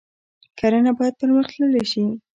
کرنه باید پرمختللې شي